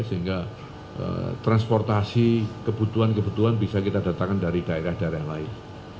sehingga transportasi kebutuhan kebutuhan bisa kita datangkan dari daerah daerah lain